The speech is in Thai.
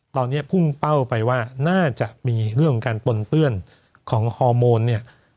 ตอนนี้พุ่งเป้าไปว่าน่าจะมีเรื่องของการปนเปื้อนของฮอร์โมนเนี่ย